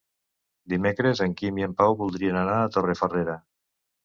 Dimecres en Quim i en Pau voldrien anar a Torrefarrera.